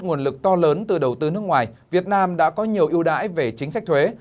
nguồn lực to lớn từ đầu tư nước ngoài việt nam đã có nhiều ưu đãi về chính sách thuế